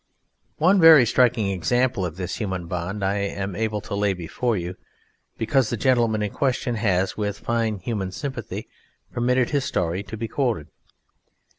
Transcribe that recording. One very striking example of this human bond I am able to lay before you, because the gentleman in question has, with fine human sympathy, permitted his story to be quoted.